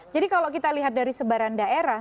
jadi kalau kita lihat dari sebaran daerah